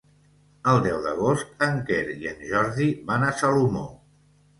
El deu d'agost en Quer i en Jordi van a Salomó.